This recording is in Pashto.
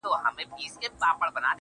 ارمانه اوس درنه ښكلا وړي څوك.